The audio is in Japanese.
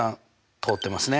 通ってますね。